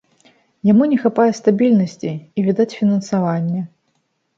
Яму не хапае стабільнасці і, відаць, фінансавання.